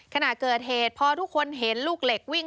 ขณะเกิดเหตุพอทุกคนเห็นลูกเหล็กวิ่ง